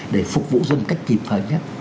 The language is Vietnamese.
để phục vụ dân cách kịp thời nhất